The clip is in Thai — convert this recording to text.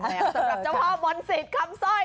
สำหรับเจ้าพ่อมนศิษย์คำสร้อย